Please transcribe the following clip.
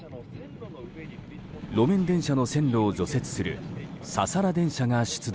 路面電車の線路を除雪するササラ電車が出動。